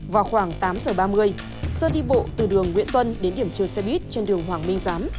vào khoảng tám h ba mươi sơn đi bộ từ đường nguyễn tuân đến điểm chơi xe buýt trên đường hoàng minh giám